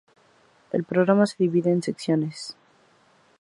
El programa se divide en secciones.